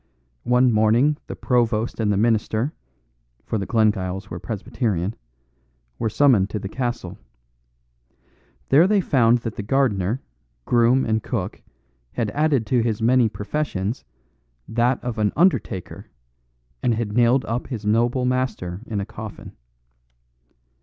One morning the provost and the minister (for the Glengyles were Presbyterian) were summoned to the castle. There they found that the gardener, groom and cook had added to his many professions that of an undertaker, and had nailed up his noble master in a coffin.